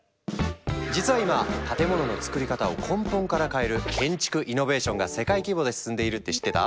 実は今建物のつくり方を根本から変える建築イノベーションが世界規模で進んでいるって知ってた？